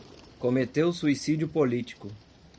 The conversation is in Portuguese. Cometeu suicídio político